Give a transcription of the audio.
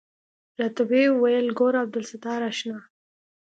راته ويې ويل ګوره عبدالستاره اشنا.